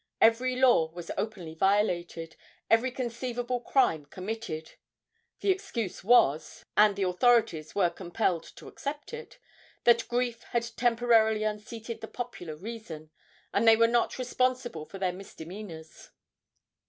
Every law was openly violated, every conceivable crime committed. The excuse was and the authorities were compelled to accept it that grief had temporarily unseated the popular reason, and they were not responsible for their misdemeanors.